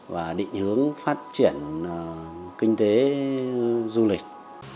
và định hướng phát triển kinh tế du lịch